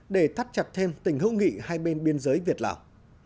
để thắt chặt thêm tình hữu nghị hai bên biên giới việt lào